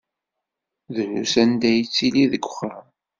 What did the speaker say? Drus anda ay yettili deg uxxam.